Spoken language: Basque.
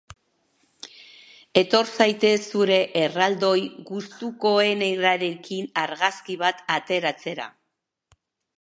Etor zaitez zure erraldoi gustukoenarekin argazki bat ateratzera!